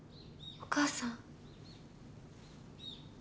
・・・お母さん？